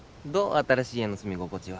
新しい家の住み心地は。